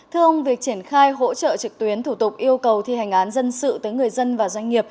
thưa ông việc triển khai hỗ trợ trực tuyến thủ tục yêu cầu thi hành án dân sự tới người dân và doanh nghiệp